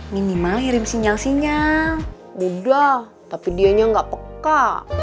minimal kirim sinyal sinyal udah tapi dianya nggak peka